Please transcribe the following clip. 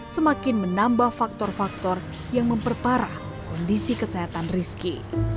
semakin menambah faktor faktor yang memperparah kondisi kesehatan rizky